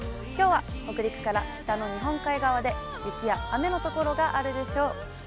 きょうは北陸から北の日本海側で、雪や雨の所があるでしょう。